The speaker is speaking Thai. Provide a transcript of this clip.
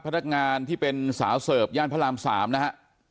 พนักงานที่เป็นสาวเสิร์ฟย่านพระราม๓นะฮะ